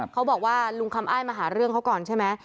เขาบอกว่าลุงคำอ้ายมาหาเรื่องเขาก่อนใช่ไหม